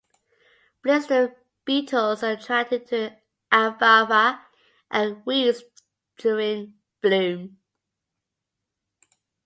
Blister beetles are attracted to alfalfa and weeds during bloom.